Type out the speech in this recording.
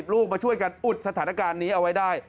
ลูกมาช่วยกันอุดสถานการณ์นี้เอาไว้ได้